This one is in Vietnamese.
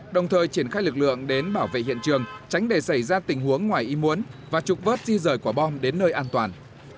đồng thời triển khai lực lượng đến bảo vệ hiện trường tránh để xảy ra tình huống ngoài i muốn và trục vớt di rời quả bom đến nơi an toàn